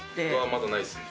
まだないっすね。